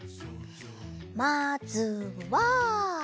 まずは。